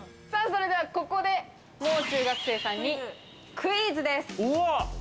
それではここで、もう中学生さんにクイズです。